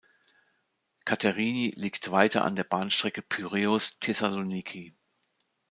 Katerini liegt weiter an der Bahnstrecke Piräus–Thessaloniki.